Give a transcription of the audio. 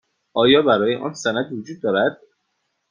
آیا برای آن سند وجود دارد؟